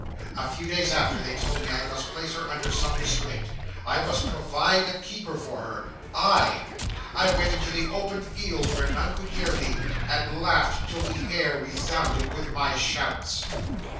A few days after, they told me I must place her under some restraint: I must provide a keeper for her. I! I went into the open fields where none could hear me, and laughed till the air resounded with my shouts!